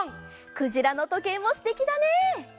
「くじらのとけい」もすてきだね！